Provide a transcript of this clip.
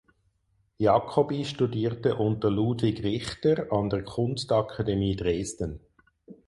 Jacoby studierte unter Ludwig Richter an der Kunstakademie Dresden.